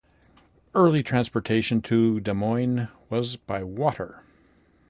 Early transportation to Des Moines was by water.